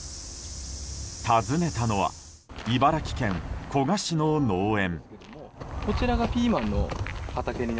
訪ねたのは茨城県古河市の農園。